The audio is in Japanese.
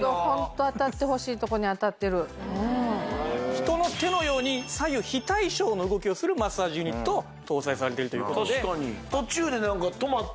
人の手のように左右非対称の動きをするマッサージユニットを搭載されているという事で。